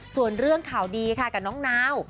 ส่วนเรื่องข่าวดีค่ะกับน้องนาว